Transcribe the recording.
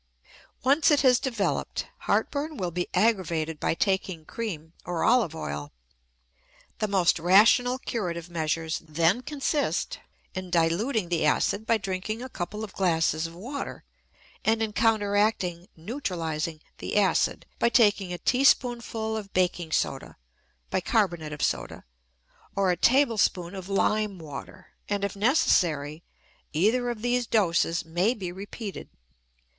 Once it has developed, heartburn will be aggravated by taking cream or olive oil. The most rational curative measures then consist in diluting the acid by drinking a couple of glasses of water and in counteracting (neutralizing) the acid by taking a teaspoonful of baking soda (bicarbonate of soda) or a tablespoonful of limewater; and, if necessary, either of these doses may be repeated.